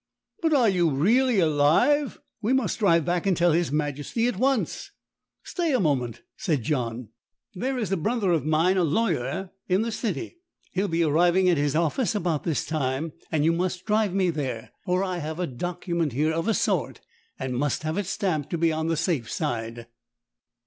"But are you really alive? We must drive back and tell his Majesty at once!" "Stay a moment," said John. "There's a brother of mine, a lawyer, in the city. He will be arriving at his office about this time, and you must drive me there; for I have a document here of a sort, and must have it stamped, to be on the safe side."